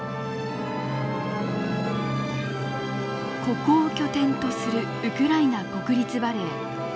ここを拠点とするウクライナ国立バレエ。